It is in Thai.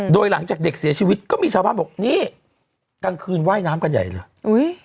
โดยหลังจากเด็กเสียชีวิตก็มีชาวบ้านบอกนี่กลางคืนว่ายน้ำกันใหญ่เลย